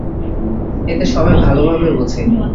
এতে সবাই ভালোভাবে বোঝে।